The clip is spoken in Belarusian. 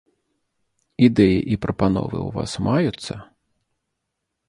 Ідэі і прапановы ў вас маюцца?